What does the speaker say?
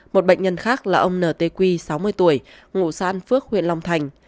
một bệnh nhân khác là ông n t quy sáu mươi tuổi ngụ sát phước huyện long thành